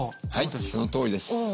はいそのとおりです。